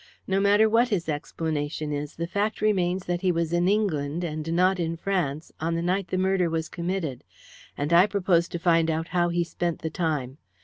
No matter what his explanation is, the fact remains that he was in England, and not in France, on the night the murder was committed, and I propose to find out how he spent the time.